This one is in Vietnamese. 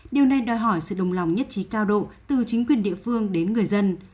điều này đòi hỏi sự đồng lòng nhất trí cao độ từ chính quyền địa phương đến người dân